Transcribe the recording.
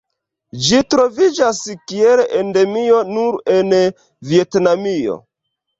Ĝi troviĝas kiel endemio nur en Vjetnamio.